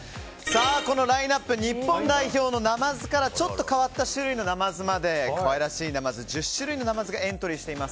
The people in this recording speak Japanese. このラインアップ日本代表のナマズからちょっと変わった種類のナマズまで可愛らしいナマズ１０種類のナマズがエントリーしています。